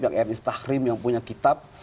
yang etnis tahrim yang punya kitab